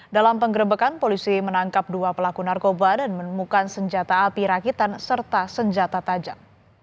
dalam penggerebekan polisi menangkap dua pelaku narkoba dan menemukan senjata api rakitan serta senjata tajam